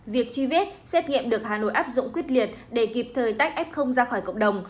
việc truy vết xét nghiệm được hà nội áp dụng quyết liệt để kịp thời tách f ra khỏi cộng đồng